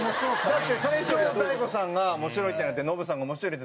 だって最初大悟さんが面白いってなってノブさんが面白いって。